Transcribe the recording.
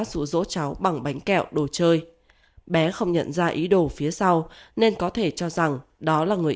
rụ rỗ cháu bằng bánh kẹo đồ chơi bé không nhận ra ý đồ phía sau nên có thể cho rằng đó là người